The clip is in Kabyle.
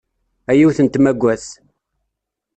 A yiwet n tmagadt!